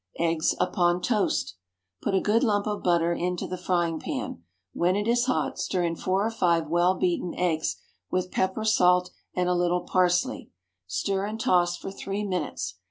EGGS UPON TOAST. ✠ Put a good lump of butter into the frying pan. When it is hot, stir in four or five well beaten eggs, with pepper, salt, and a little parsley. Stir and toss for three minutes.